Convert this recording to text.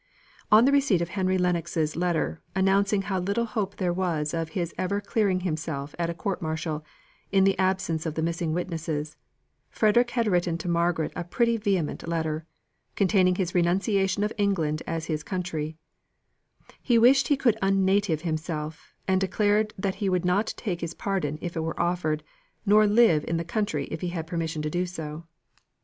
On the receipt of Henry Lennox's letter, announcing how little hope there was of his ever clearing himself at a court martial, in the absence of the missing witnesses, Frederick had written to Margaret a pretty vehement letter, containing his renunciation of England as his country; he wished he could unnative himself, and declared that he would not take his pardon if it were offered him, nor live in the country if he had permission to do so.